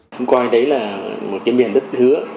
chúng coi đấy là một cái miền đất hứa